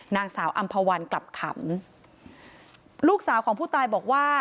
นางสาวอำภาวันกลับขำลูกสาวของผู้ตายบอกว่า